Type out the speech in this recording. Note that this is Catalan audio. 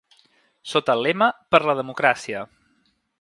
Sota el lema Per la democràcia.